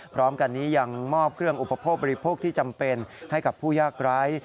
พร้อมกันนี้ยังมอบเครื่องอุปโภคบริโภคที่จำเป็นให้กับผู้ยากไร้